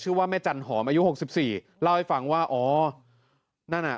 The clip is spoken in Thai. แม่จันหอมอายุหกสิบสี่เล่าให้ฟังว่าอ๋อนั่นอ่ะ